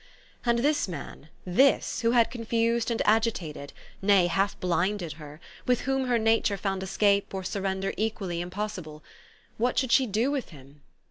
And this man, this, who had confused and agi tated, nay, half blinded her, with whom her nature found escape or surrender equally impossible, what should she do with him